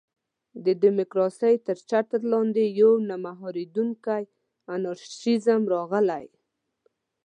د ډیموکراسۍ تر چتر لاندې یو نه مهارېدونکی انارشېزم راغلی.